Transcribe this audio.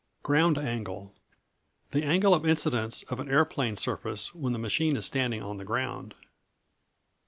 Ground Angle The angle of incidence of an aeroplane surface when the machine is standing on the ground.